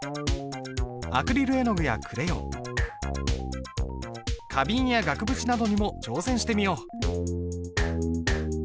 アクリル絵の具やクレヨン花瓶や額縁などにも挑戦してみよう。